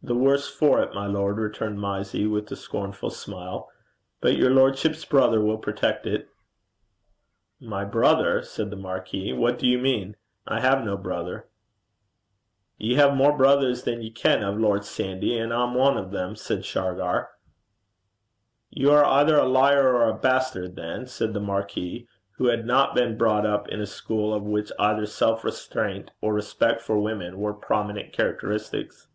'The worse for it, my lord,' returned Mysie, with a scornful smile. 'But your lordship's brother will protect it.' 'My brother!' said the marquis. 'What do you mean? I have no brother!' 'Ye hae mair brithers than ye ken o', Lord Sandy, and I'm ane o' them,' said Shargar. 'You are either a liar or a bastard, then,' said the marquis, who had not been brought up in a school of which either self restraint or respect for women were prominent characteristics.